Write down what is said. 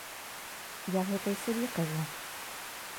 Я гэта і сабе кажу.